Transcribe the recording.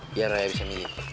biar raya bisa milih